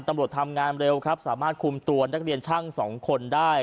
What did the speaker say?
ตำรวจทำงานเร็วครับสามารถคุมตัวนักเรียนช่างสองคนได้